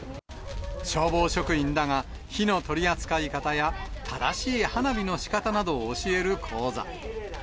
消防職員らが、火の取り扱い方や、正しい花火のしかたなどを教える講座。